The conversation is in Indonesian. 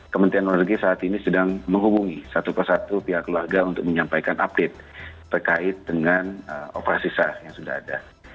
kementerian luar negeri saat ini sedang menghubungi satu persatu pihak keluarga untuk menyampaikan update terkait dengan operasi sah yang sudah ada